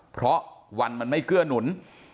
เพราะวันมันไม่เกื้อหนุน